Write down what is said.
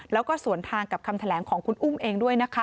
แล้วก็สวนทางกับคำแถลงของคุณอุ้มเองด้วยนะคะ